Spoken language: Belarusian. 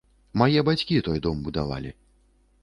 Мае бацькі той дом будавалі.